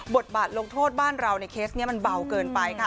บทบาทลงโทษบ้านเราในเคสนี้มันเบาเกินไปค่ะ